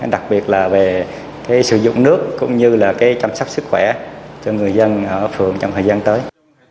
đặc biệt là về sử dụng nước cũng như là chăm sóc sức khỏe cho người dân ở phường trong thời gian tới